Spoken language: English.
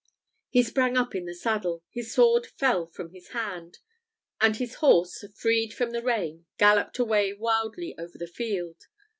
He sprang up in the saddle, his sword fell from his hand, and his horse, freed from the rein, galloped away wildly over the field.